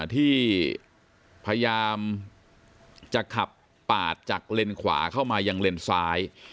ที่พยายามจะขับปาดจากเลนขวาเข้ามายังเลนซ้าย